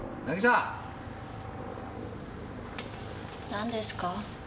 何ですか？